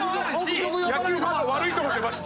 野球ファンの悪いとこ出ました。